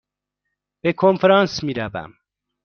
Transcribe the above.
به کنفرانس می روم.